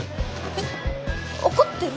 えっ怒ってる？